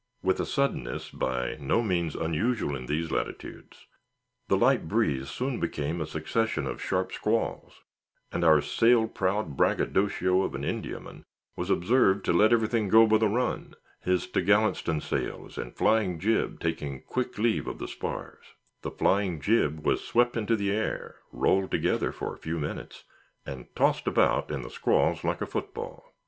With a suddenness by no means unusual in these latitudes, the light breeze soon became a succession of sharp squalls, and our sail proud braggadocio of an Indiaman was observed to let everything go by the run, his t'gallant stun' sails and flying jib taking quick leave of the spars; the flying jib was swept into the air, rolled together for a few minutes, and tossed about in the squalls like a football.